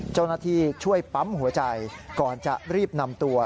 เจ้าหน้าที่ช่วยปั๊มหัวใจก่อนจะรีบนำตัว